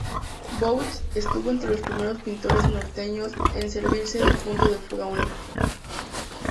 Bouts estuvo entre los primeros pintores norteños en servirse del punto de fuga único.